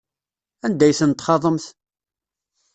Anda ay ten-txaḍemt?